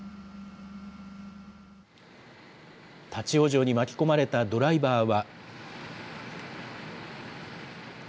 立往生に巻き込まれたドライバーは。